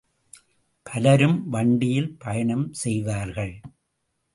பலரும் வண்டியில் பயணம் செய்வார்கள்.